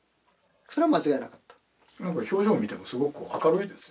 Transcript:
それは間違いなかった何か表情見てもすごく明るいですよね